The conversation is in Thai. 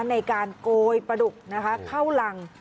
ในการโกยประดุกนะคะเข้าหลัง